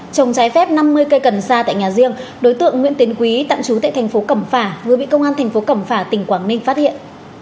trồng trái phép năm mươi cây cần sa tại nhà riêng đối tượng nguyễn tiến quý tạm trú tại thành phố cẩm phả vừa bị công an thành phố cẩm phả tỉnh quảng ninh phát hiện